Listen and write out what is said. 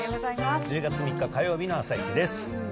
１０月３日火曜日の「あさイチ」です。